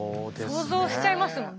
想像しちゃいますもんね。